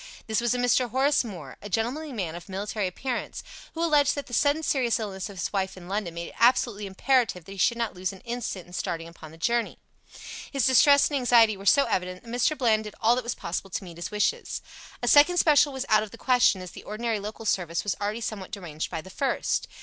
This was a Mr. Horace Moore, a gentlemanly man of military appearance, who alleged that the sudden serious illness of his wife in London made it absolutely imperative that he should not lose an instant in starting upon the journey. His distress and anxiety were so evident that Mr. Bland did all that was possible to meet his wishes. A second special was out of the question, as the ordinary local service was already somewhat deranged by the first.